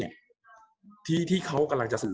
กับการสตรีมเมอร์หรือการทำอะไรอย่างเงี้ย